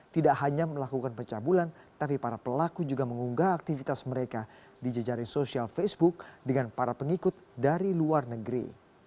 tidak hanya melakukan pencabulan tapi para pelaku juga mengunggah aktivitas mereka di jejaring sosial facebook dengan para pengikut dari luar negeri